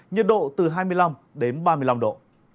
nhiệt độ từ hai mươi năm đến ba mươi năm độ